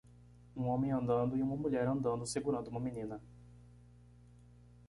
um homem andando e uma mulher andando segurando uma menina